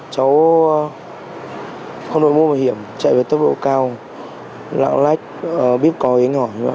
cháu không đối môn bảo hiểm chạy về tốc độ cao lạng lách biết có hình hỏi